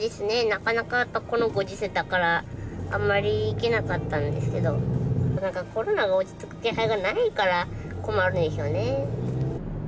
なかなかやっぱこのご時世だからあんまり行けなかったんですけど何かコロナが落ち着く気配がないから困るんですよね